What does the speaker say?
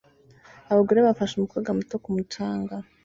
Abagore bafashe umukobwa muto ku mucanga